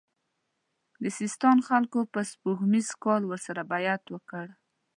د سیستان خلکو په سپوږمیز کال ورسره بیعت وکړ.